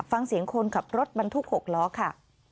ฟังเสียงคนขับรถบรรทุก๖ล้อค่ะ